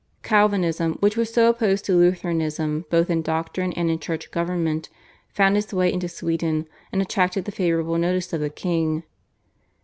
Calvinism, which was so opposed to Lutheranism both in doctrine and in church government, found its way into Sweden, and attracted the favourable notice of the king.